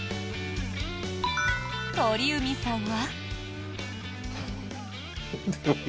鳥海さんは？